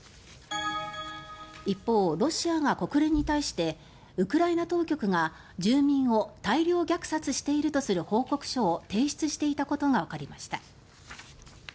一方、ロシアが国連に対してウクライナ当局が住民を大量虐殺しているとする報告書を提出していたことがわかりました。